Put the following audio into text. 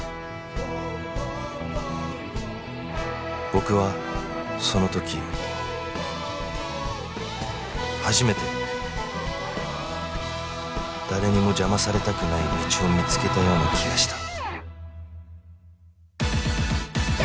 僕はその時初めて誰にも邪魔されたくない道を見つけたような気がした